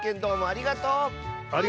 ありがとう！